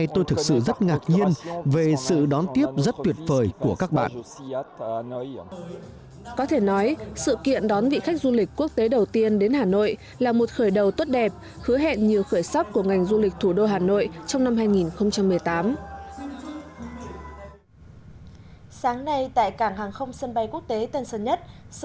tổ chức lễ đón đoàn khách du lịch quốc tế đầu tiên đến sông đất